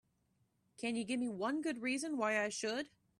Can you give me one good reason why I should?